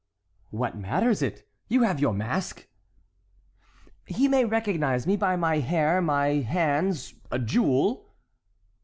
"What matters it? You have your mask." "He may recognize me by my hair, my hands, a jewel."